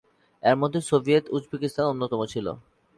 এর মধ্যে Soviet Uzbekistan অন্যতম ছিল।